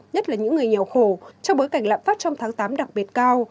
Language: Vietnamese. nhất là những người nghèo khổ trong bối cảnh lạm phát trong tháng tám đặc biệt cao